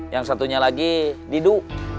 yang satunya lagi didu